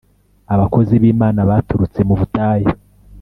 abakozibimana baturutse mu butayu.